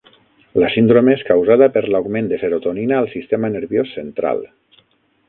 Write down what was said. La síndrome és causada per l'augment de serotonina al sistema nerviós central.